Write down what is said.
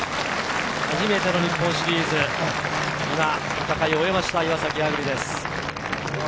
初めての日本シリーズ、今、戦いを終えました、岩崎亜久竜です。